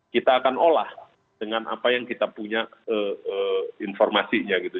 kita akan olah dengan apa yang kita punya informasinya gitu